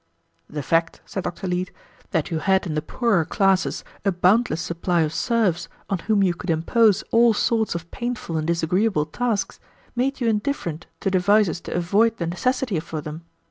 "The fact," said Dr. Leete, "that you had in the poorer classes a boundless supply of serfs on whom you could impose all sorts of painful and disagreeable tasks, made you indifferent to devices to avoid the necessity for them.